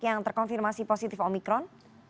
yang terkonfirmasi positif omikron